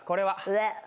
上。